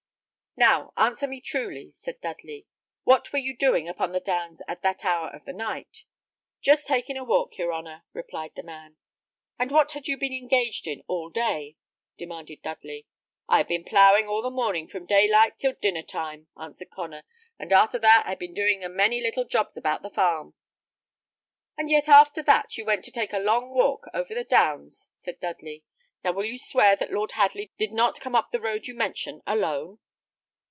"Now, answer me truly," said Dudley. "What were you doing upon the Downs at that hour of the night?" "Just taking a walk, your honour," replied the man. "And what had you been engaged in all day?" demanded Dudley. "I had been ploughing all the morning from daylight till dinner time," answered Connor; "and arter that, I had been doing a many little jobs about the farm." "And yet after that you went to take a long walk over the Downs," said Dudley. "Now will you swear that Lord Hadley did not come up the road you mention, alone."